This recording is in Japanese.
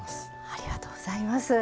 ありがとうございます。